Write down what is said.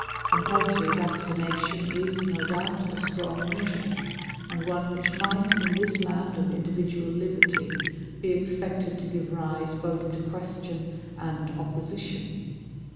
Compulsory vaccination is, no doubt, a strong measure, and one which might, in this land of individual liberty, be expected to give rise both to question and opposition.